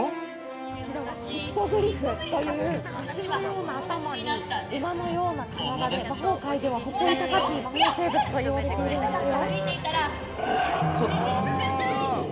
◆こちらはヒッポグリフという、鷲のような頭に馬のような体で魔法界では、誇り高き魔法生物といわれているんですよ。